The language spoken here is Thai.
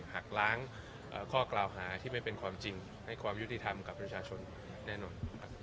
หักล้างข้อกล่าวหาที่ไม่เป็นความจริงให้ความยุติธรรมกับประชาชนแน่นอน